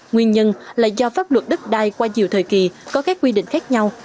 nguyên nhân là do pháp luật đất đai qua nhiều thời kỳ có các quy định khác nhau